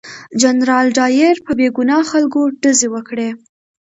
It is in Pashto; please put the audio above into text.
جنرال ډایر په بې ګناه خلکو ډزې وکړې.